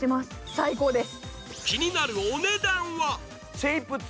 最高です！